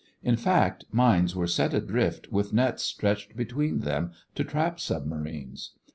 In fact, mines were set adrift with nets stretched between them, to trap submarines.